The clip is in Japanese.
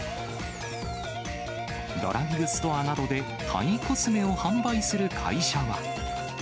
ドラッグストアなどでタイコスメを販売する会社は。